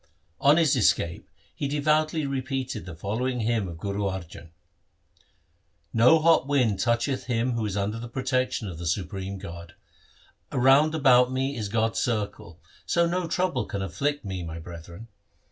On his escape he devoutly repeated the following hymn of Guru Arjan :— No hot wind toucheth him who is under the protection of the Supreme God. Round about me is God's circle, so no trouble can afflict me, my brethren.